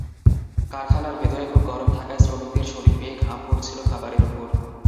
কারখানার ভেতরে খুব গরম থাকায় শ্রমিকদের শরীর বেয়ে ঘাম পড়ছিল খাবারের ওপর।